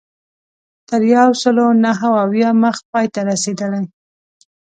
تر یو سلو نهه اویا مخ پای ته رسېدلې.